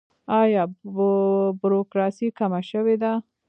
آیا بروکراسي کمه شوې ده؟